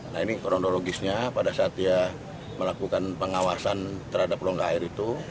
nah ini kronologisnya pada saat dia melakukan pengawasan terhadap longga air itu